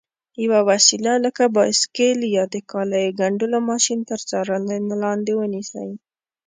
یوه وسیله لکه بایسکل یا د کالیو ګنډلو ماشین تر څارنې لاندې ونیسئ.